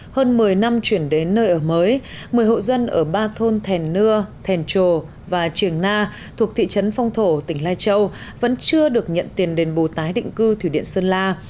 hơn một mươi năm chuyển đến nơi ở mới một mươi hộ dân ở ba thôn thèn nưa thèn trồ và trường na thuộc thị trấn phong thổ tỉnh lai châu vẫn chưa được nhận tiền đền bù tái định cư thủy điện sơn la